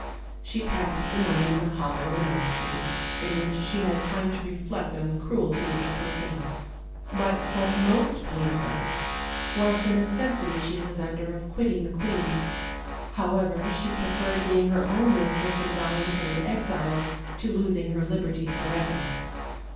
She passed the night in the hollow of an oak tree, in which she had time to reflect on the cruelty of her fate: but what most pained her was the necessity she was under of quitting the queen; however, she preferred being her own mistress in voluntary exile to losing her liberty forever.